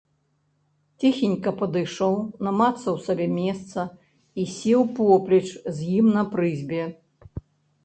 Ціхенька падышоў, намацаў сабе месца і сеў поплеч з ім на прызбе.